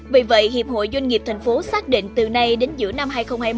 vì vậy hiệp hội doanh nghiệp thành phố xác định từ nay đến giữa năm hai nghìn hai mươi